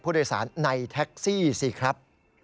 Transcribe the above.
ผู้โดยสารในแท็กซี่สิครับ